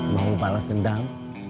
mau balas dendam